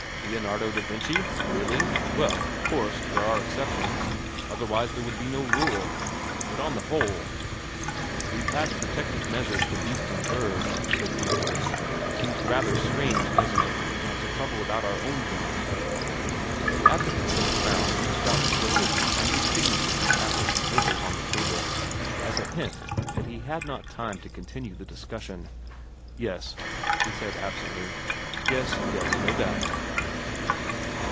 "Leonardo da Vinci? Really? Well, of course, there are exceptions, otherwise there would be no rule. But on the whole...." "We pass protective measures for beast and bird," said Geissler; "seems rather strange, doesn't it, not to trouble about our own young?" The advocate for the Crown reached out slowly and with dignity after some papers on the table, as a hint that he had not time to continue the discussion. "Yes...." said he absently. "Yes, yes, no doubt...."